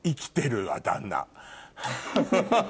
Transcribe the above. ハハハハ。